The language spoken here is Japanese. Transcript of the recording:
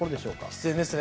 必然ですね。